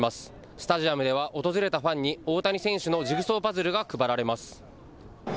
スタジアムでは、訪れたファンに大谷選手のジグソーパズルが配られます。